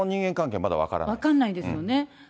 分かんないですよね。